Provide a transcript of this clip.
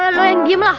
eh lo yang diem lah